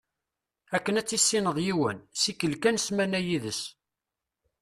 Akken ad tissineḍ yiwen, ssikel kan ssmana yid-s.